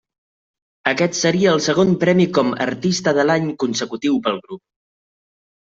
Aquest seria el segon premi com 'Artista de l'any' consecutiu pel grup.